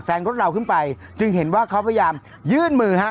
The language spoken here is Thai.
รถเราขึ้นไปจึงเห็นว่าเขาพยายามยื่นมือฮะ